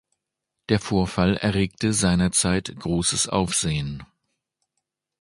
Der Vorfall erregte seinerzeit großes Aufsehen.